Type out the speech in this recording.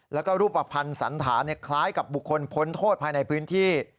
แล้วก็รูปภัณฑ์สันฐานคล้ายกับบุคคลพ้นโทษภายในพื้นที่